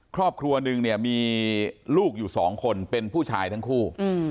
ครอบครัวนึงเนี่ยมีลูกอยู่สองคนเป็นผู้ชายทั้งคู่